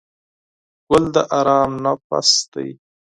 ګل د آرام نفس دی.